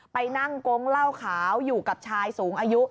ไปนั่งโก๊งเหล้าขาวอยู่กับชายสูงอายุ